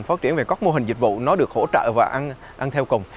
phát triển về các mô hình dịch vụ nó được hỗ trợ và ăn theo cùng